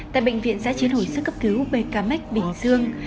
tại bệnh viện giã chiến hồi sức cấp cứu pkm bình dương